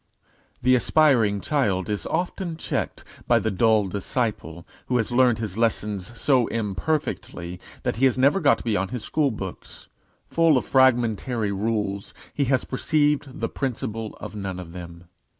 The aspiring child is often checked by the dull disciple who has learned his lessons so imperfectly that he has never got beyond his school books. Full of fragmentary rules, he has perceived the principle of none of them.